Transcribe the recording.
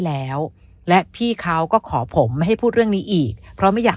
แล้วและพี่เขาก็ขอผมไม่ให้พูดเรื่องนี้อีกเพราะไม่อยาก